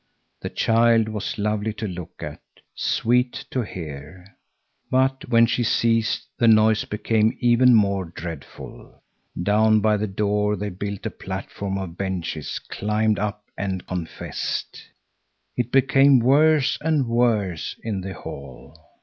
The child was lovely to look at, sweet to hear. But when she ceased, the noise became even more dreadful. Down by the door they built a platform of benches, climbed up and confessed. It became worse and worse in the hall.